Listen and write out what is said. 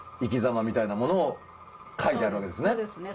そうですね